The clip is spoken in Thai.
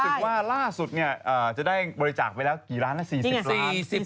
ว่าล่าสุดเนี่ยจะได้บริจาคไปแล้วกี่ล้านนะ๔๐ล้าน